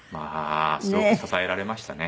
すごく支えられましたね。